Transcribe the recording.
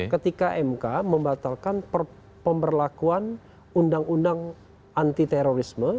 ketika mk membatalkan pemberlakuan undang undang anti terorisme